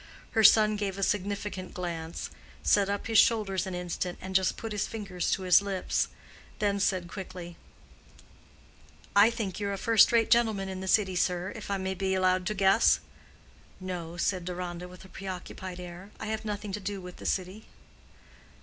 Her son gave a significant glance, set up his shoulders an instant and just put his fingers to his lips,—then said quickly, "I think you're a first rate gentleman in the city, sir, if I may be allowed to guess." "No," said Deronda, with a preoccupied air, "I have nothing to do with the city."